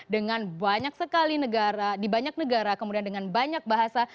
dengan banyak sekali negara di banyak negara kemudian dengan banyak bahasa